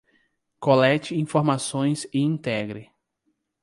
Colete informações e integre